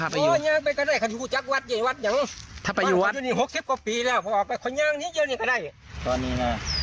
พระขู่คนที่เข้าไปคุยกับพระรูปนี้